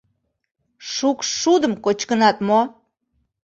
Шукшшудым кочкынат мо?